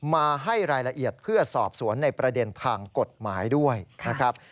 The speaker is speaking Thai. มาให้รายละเอียดเพื่อสอบสวนในประเด็นทางกฎหมายด้วยนะครับ